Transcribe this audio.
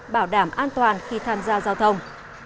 bảo đảm an toàn khi tham gia giao thông